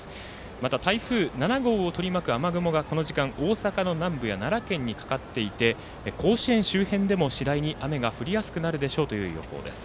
また台風７号をとりまく雨雲がこの時間、大阪の南部や奈良県にかかっていて甲子園周辺でも、次第に雨が降りやすくなるでしょうと予報です。